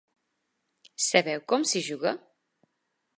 Sabeu com s'hi juga?